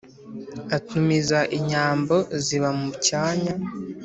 atumiza inyambo ziba mu cyanya